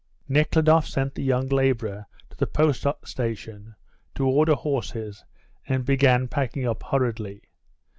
Nekhludoff sent the young labourer to the post station to order horses and began packing up hurriedly.